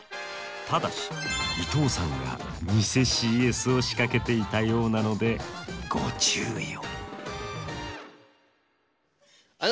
ただし伊藤さんが偽ＣＳを仕掛けていたようなのでご注意を。